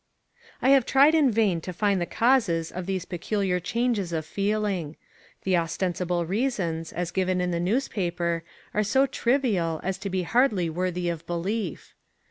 I have tried in vain to find the causes of these peculiar changes of feeling. The ostensible reasons, as given in the newspaper, are so trivial as to be hardly worthy of belief.